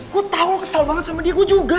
gue tau lo kesel banget sama dia gue juga